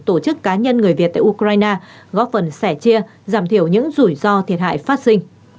tổ chức cá nhân người việt tại ukraine góp phần sẻ chia giảm thiểu những rủi ro thiệt hại phát sinh